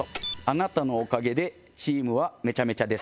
「あなたのおかげでチームはめちゃめちゃです」。